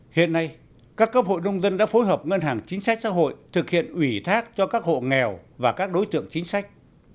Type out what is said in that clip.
hiện nay các cấp hội nông dân đã phối hợp ngân hàng chính sách xã hội thực hiện ủy thác cho các hộ nghèo và các đối tượng chính sách